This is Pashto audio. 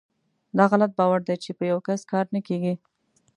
داغلط باور دی چې په یوکس کار نه کیږي .